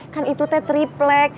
kan itu teh triplek